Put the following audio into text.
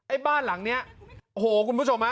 ไอ้บ้านหลังเนี่ยโหคุณผู้ชมฮะ